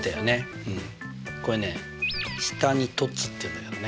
これね下に凸っていうんだけどね。